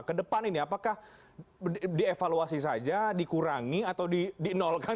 ke depan ini apakah dievaluasi saja dikurangi atau di nolkan